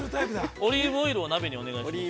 ◆オリーブオイルを鍋にお願いします。